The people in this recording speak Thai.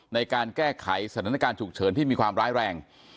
ในการแก้ไขสถานการณ์ฉุกเฉินที่มีความร้ายแรง